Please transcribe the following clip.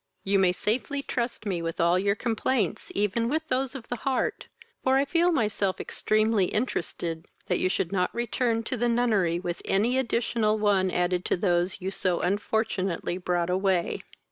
You may safely trust me with all your complaints, even with those of the heart; for I feel myself extremely interested that you should not return to the nunnery with any additional one added to those you so unfortunately brought away."